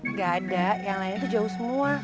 nggak ada yang lain itu jauh semua